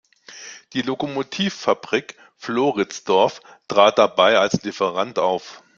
Die Lokomotivfabrik Floridsdorf trat dabei als Lieferant auf.